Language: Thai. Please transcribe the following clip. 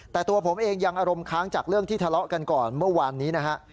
แต่ตัวผมเองยังอารมณ์ค้างจากเรื่องที่ทะเลาะกันก่อนเมื่อวานนี้นะฮะ